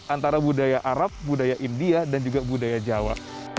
antara budaya arab budaya india dan juga budaya jawa